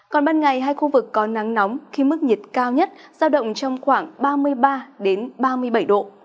còn ban ngày hai khu vực có nắng nóng khi mức nhiệt cao nhất giao động trong khoảng ba mươi ba ba mươi bảy độ